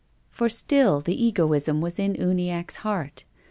For still the egoism was in Uniacke's heart.